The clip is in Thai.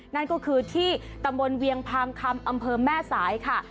นั่นก็คือที่ตำบลเวียงพางคำอำเภอแม่สายค่ะ